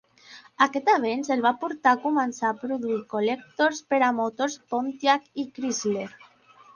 Aquest avenç el va portar a començar a produir col·lectors per a motors Pontiac i Chrysler.